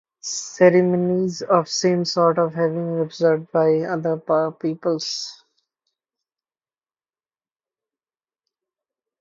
Ceremonies of the same sort have been observed by other peoples.